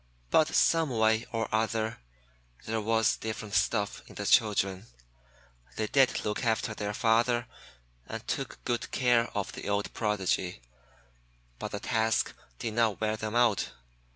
But some way or other, there was different stuff in the children. They did look after their father, and took good care of the old Prodigy, but the task did not wear them out.